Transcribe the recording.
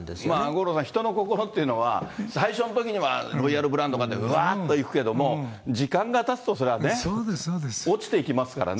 五郎さん、人の心ってのは、最初のときにはロイヤルブランドだっていって、うわーっといくけど、時間がたつと、それはね。落ちていきますからね。